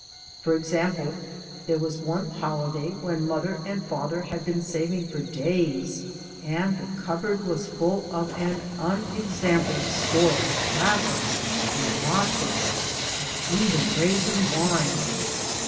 For example, there was one holiday when mother and father had been saving for days, and the cupboard was full of an unex ampled store of apples and matzos and even raisin wine.